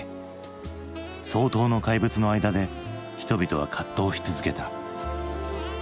双頭の怪物の間で人々は葛藤し続けた。